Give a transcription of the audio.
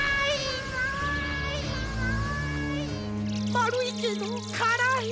まるいけどからい。